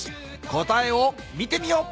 答えを見てみよう。